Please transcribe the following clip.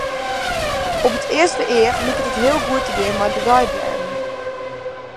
Op it earste each liket it hiel goed te gean mei de deiblêden.